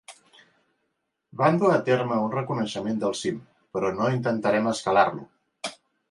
Van dur a terme un reconeixement del cim, però no intentaren escalar-lo.